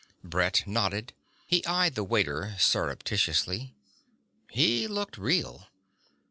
Brett nodded. He eyed the waiter surreptitiously. He looked real.